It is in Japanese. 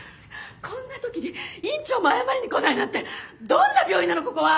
こんな時に院長も謝りに来ないなんてどんな病院なのここは！